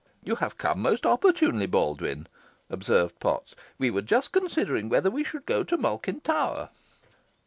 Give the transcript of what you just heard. "You have come most opportunely, Baldwyn," observed Potts. "We were just considering whether we should go to Malkin Tower."